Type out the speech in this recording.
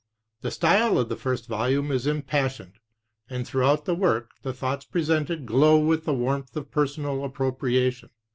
The style of the first volume is im passioned, and throughout the work, the thoughts presented glow with the warmth of personal appropriation.